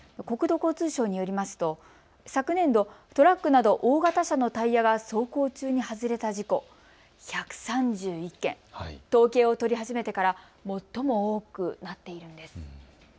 国土交通省によりますと昨年度、トラックなど大型車のタイヤが走行中に外れた事故、１３１件、統計を取り始めてから最も多くなっているんです。